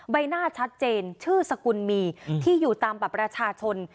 ใบหน้าชัดเจนชื่อสกุลมีที่อยู่ตามบัตรประชาชน